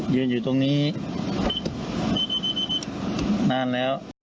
ยืนอยู่ตรงนี้นานแล้ว